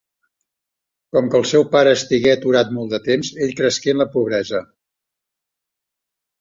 Com que el seu pare estigué aturat molt de temps, ell cresqué en la pobresa.